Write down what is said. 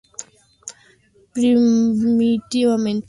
Primitivamente la música se conservaba por tradición oral y no se escribía.